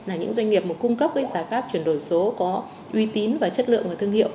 là những doanh nghiệp mà cung cấp cái giải pháp chuyển đổi số có uy tín và chất lượng và thương hiệu